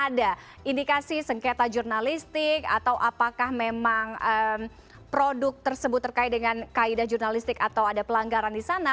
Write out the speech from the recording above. ada indikasi sengketa jurnalistik atau apakah memang produk tersebut terkait dengan kaedah jurnalistik atau ada pelanggaran di sana